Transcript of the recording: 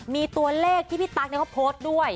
มีตัวเลขที่พี่ตั๊กเขาโพสต์ด้วย